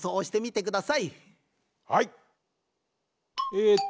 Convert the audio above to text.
えっと